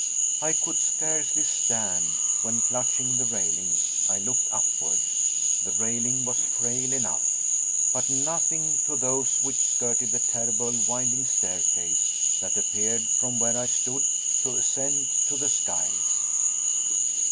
I could scarcely stand, when clutching the railings, I looked upwards. The railing was frail enough, but nothing to those which skirted the terrible winding staircase, that appeared, from where I stood, to ascend to the skies.